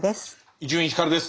伊集院光です。